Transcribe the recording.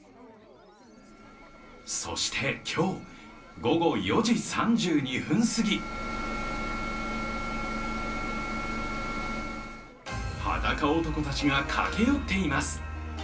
そして、今日午後４時３２分すぎはだか男たちが駆け寄っています。